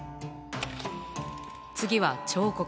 次は彫刻。